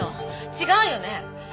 違うよね。